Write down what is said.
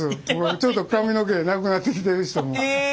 ちょっと髪の毛なくなってきてる人も。え！